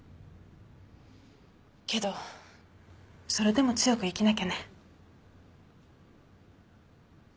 けどそれでも強く生きなきゃね。